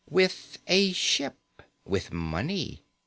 With a ship. With money.